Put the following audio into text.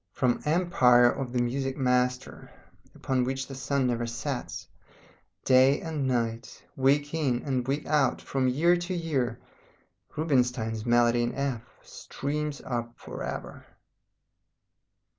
From the empire of the music master, upon which the sun never sets, day and night, week in week out, from year to year, Rubinstein's Melody in F streams up for ever.